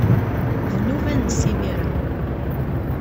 D nnuba-nnes imir-a.